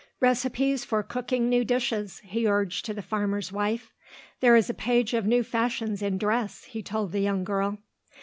"Recipes for cooking new dishes," he urged to the farmer's wife. "There is a page of new fashions in dress," he told the young girl.